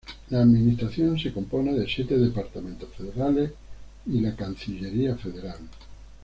La Administración se compone de siete departamentos federales y la Cancillería Federal.